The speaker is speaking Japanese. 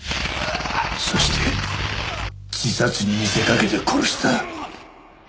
そして自殺に見せかけて殺した。